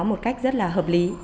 một cách rất là hợp lý